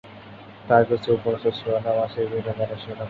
তার কিছু উপন্যাসের শিরোনাম আসে বিভিন্ন গানের শিরোনাম থেকে।